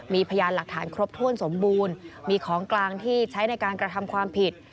มีพยานหลักฐานครบถ้วนสมบูรณ์มีของกลางที่ใช้ในการกระทำความผิด